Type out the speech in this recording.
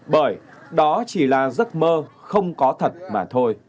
bởi đó chỉ là giấc mơ không có thật mà thôi